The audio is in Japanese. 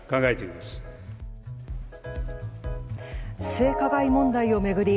性加害問題を巡り